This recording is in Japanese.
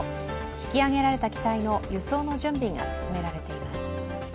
引き揚げられた機体の輸送の準備が進められています。